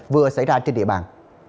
vừa xảy ra trên địa bàn